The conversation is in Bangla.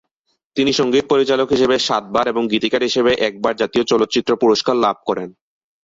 তিনি সঙ্গীত পরিচালক হিসেবে সাতবার এবং গীতিকার হিসেবে একবার জাতীয় চলচ্চিত্র পুরস্কার লাভ করেন।